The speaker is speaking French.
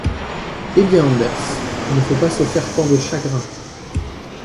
Eh bien, Anders, il ne faut pas se faire tant de chagrin !…